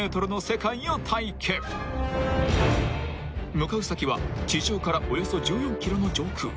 ［向かう先は地上からおよそ１４ｋｍの上空］